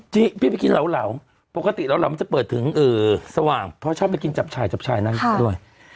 พี่ไปกินเหลาปกติเหลามันจะเปิดถึงสว่างเพราะชอบไปกินจับฉ่ายจับชายนั่งด้วย